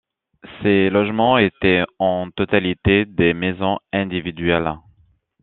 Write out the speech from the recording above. Ces logements étaient en totalité des maisons individuelles.